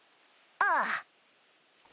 ああ。